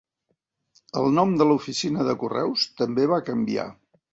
El nom de l'oficina de correus també va canviar.